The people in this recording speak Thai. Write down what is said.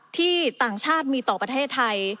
ต่างชาติมีต่อประเทศไทย